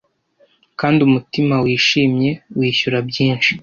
Kandi umutima wishimye, wishyura byinshi